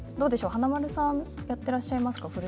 華丸さんやってらっしゃいますか。